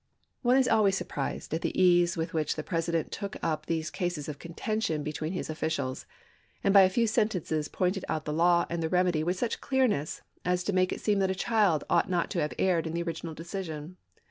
444 ABKAHAM LINCOLN chap. xix. One is always surprised at the ease with which the President took up these cases of contention be tween his officials, and by a few sentences pointed out the law and the remedy with such clearness as to make it seem that a child ought not to have erred in the original decision.